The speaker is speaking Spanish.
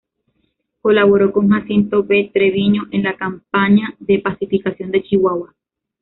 Colaboró con Jacinto B. Treviño en la campaña de pacificación de Chihuahua.